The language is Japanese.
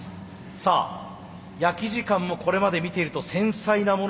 さあ焼き時間もこれまで見ていると繊細なものになると思います。